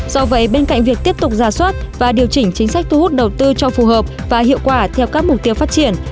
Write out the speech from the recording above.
do vậy bên cạnh việc tiếp tục ra soát và điều chỉnh chính sách thu hút đầu tư cho phù hợp và hiệu quả theo các mục tiêu phát triển